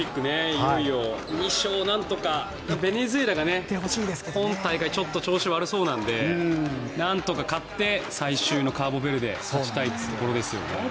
いよいよ。２勝、なんとかベネズエラが今大会ちょっと調子悪そうなのでなんとか勝って最終のカボベルデ勝ちたいところですよね。